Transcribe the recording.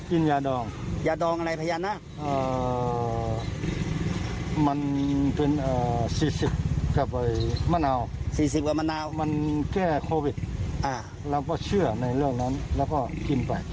กินยาดองมันเป็น๔๐กว่ามะนาวมันแก้โควิดเราก็เชื่อในเรื่องนั้นแล้วก็กินไป